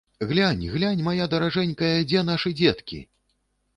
Глянь, глянь, мая даражэнькая, дзе нашы дзеткі!